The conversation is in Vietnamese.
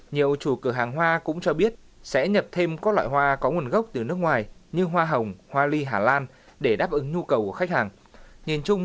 nhiều chủ cửa hàng hoa cũng cho biết sẽ nhập thêm các loại hoa có nguồn gốc từ nước ngoài như hoa hồng hoa ly hà lan để đáp ứng nhu cầu của khách hàng